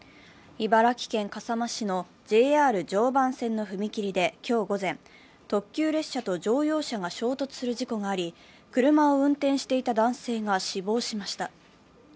茨城県笠間市のＪＲ常磐線の踏切で今日午前、特急列車と乗用車が衝突する事故があり、車を運転していた男性が死亡しました。